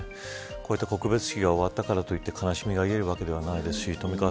こういった告別式が終わったからといって悲しみが癒えるわけではないですし冨川